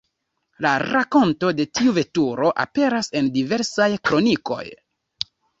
La rakonto de tiu veturo aperas en diversaj kronikoj.